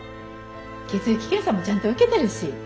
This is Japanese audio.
血液検査もちゃんと受けてるし。